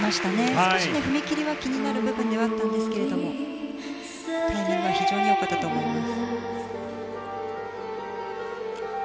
少し踏み切りは気になる部分ではあったんですがタイミングが非常によかったと思います。